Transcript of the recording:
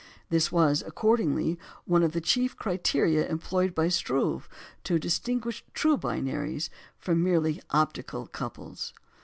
This was, accordingly, one of the chief criteria employed by Struve to distinguish true binaries from merely optical couples.